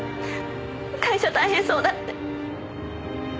会社大変そうだって。